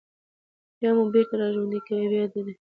بيا مو بېرته راژوندي كوي او بيا د ده په لور ورگرځول كېږئ